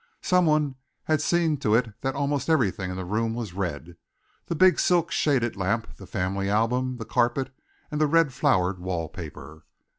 Someone had seen to it that almost everything in the room was red the big silk shaded lamp, the family album, the carpet and the red flowered wall paper.